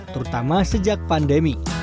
terutama sejak pandemi